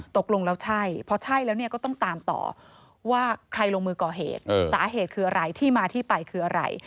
ตกลงแล้วใช่พอใช่แล้วเนี่ยก็ต้องตามต่อว่าใครลงมือก่อเหตุสาเหตุคืออะไรที่มาที่ไปคืออะไร